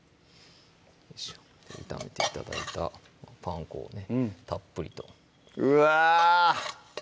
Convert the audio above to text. はい炒めて頂いたパン粉をねたっぷりとうわ！